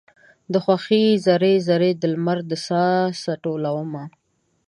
د خوښۍ ذرې، ذرې د لمر د ساه څه ټولومه